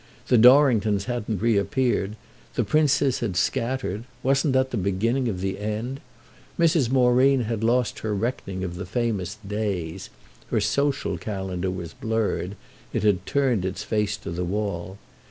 The Dorringtons hadn't re appeared, the princes had scattered; wasn't that the beginning of the end? Mrs. Moreen had lost her reckoning of the famous "days"; her social calendar was blurred—it had turned its face to the wall.